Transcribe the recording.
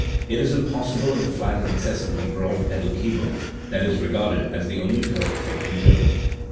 It is impossible on the flat and excessively broad pedal keyboard that is regarded as the only correct thing in Germany.